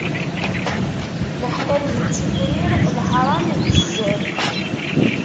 Leḥlal ittifrir, leḥṛam ittezzer.